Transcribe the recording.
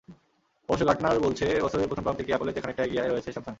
অবশ্য গার্টনার বলছে, বছরের প্রথম প্রান্তিকে অ্যাপলের চেয়ে খানিকটা এগিয়ে রয়েছে স্যামসাং।